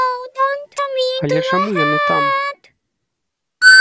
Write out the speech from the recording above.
Але чаму яны там?